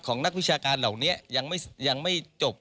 นักวิชาการเหล่านี้ยังไม่จบ